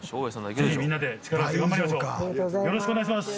よろしくお願いします！